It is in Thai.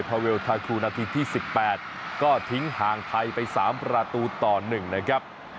เวลทาคูนาทีที่๑๘ก็ทิ้งห่างไทยไป๓ประตูต่อ๑นะครับ